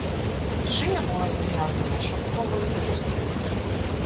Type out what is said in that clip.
Шия була зав'язана шовковою хусткою.